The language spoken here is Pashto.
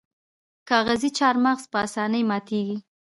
کاغذي چهارمغز په اسانۍ ماتیږي.